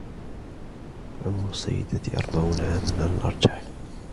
عمر السيدة أربعون عامًا على الأرجح.